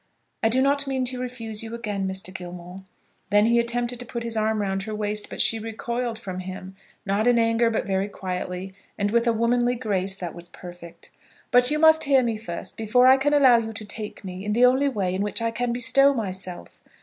"I do not mean to refuse you again, Mr. Gilmore." Then he attempted to put his arm round her waist, but she recoiled from him, not in anger, but very quietly, and with a womanly grace that was perfect. "But you must hear me first, before I can allow you to take me in the only way in which I can bestow myself.